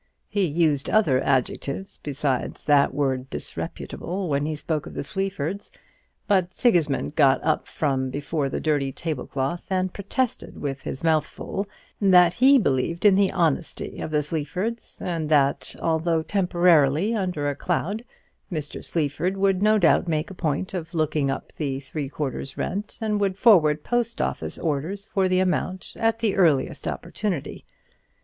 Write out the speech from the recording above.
He used other adjectives besides that word "disreputable" when he spoke of the Sleafords; but Sigismund got up from before the dirty table cloth, and protested, with his mouth full, that he believed in the honesty of the Sleafords; and that, although temporarily under a cloud, Mr. Sleaford would no doubt make a point of looking up the three quarter's rent, and would forward post office orders for the amount at the earliest opportunity.